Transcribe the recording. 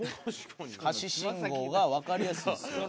下肢信号がわかりやすいんですよ。